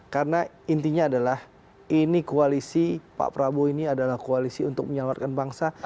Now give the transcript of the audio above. karena intinya adalah ini koalisi pak prabowo ini adalah koalisi untuk menyelamatkan bangsa